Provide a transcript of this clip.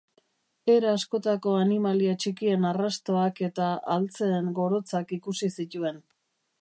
Era askotako animalia txikien arrastoak eta altzeen gorotzak ikusi zituen.